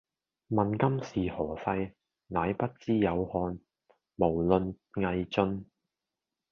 問今是何世，乃不知有漢，無論魏晉